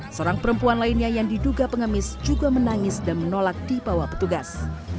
seorang perempuan lainnya yang diduga pengemis juga menangis dan menolak dibawa petugas